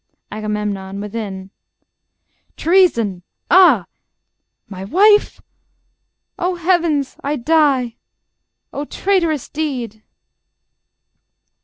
AGAMEMNON (within) Aga. Treason! Ah! ... My wife?.. O Heavens!.. I die... O traitorous deed!